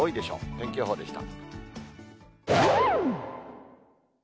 天気予報でした。